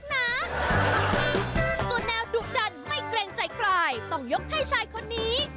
ส่วนแนวดุดันไม่เกรงใจใครต้องยกให้ชายคนนี้